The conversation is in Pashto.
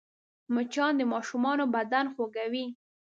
مچان د ماشومانو بدن خوږوي